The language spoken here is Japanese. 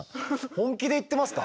本気で言ってますか？